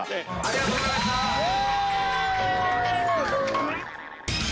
ありがとうございました・イエーイ！